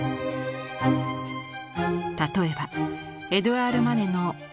例えばエドゥアール・マネのこの作品。